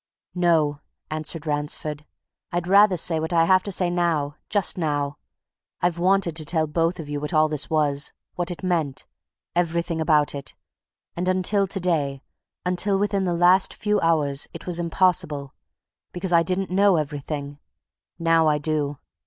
"No!" answered Ransford. "I'd rather say what I have to say now just now! I've wanted to tell both of you what all this was, what it meant, everything about it, and until today, until within the last few hours, it was impossible, because I didn't know everything. Now I do!